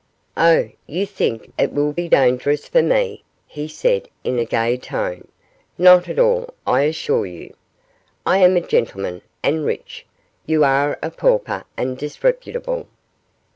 'Oh! you think it will be dangerous for me,' he said, in a gay tone; 'not at all, I assure you. I am a gentleman, and rich; you are a pauper, and disreputable.